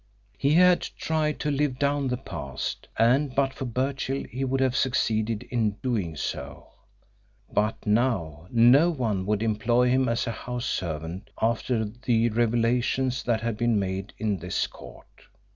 He had tried to live down the past, and but for Birchill he would have succeeded in doing so. But now no one would employ him as a house servant after the revelations that had been made in this court.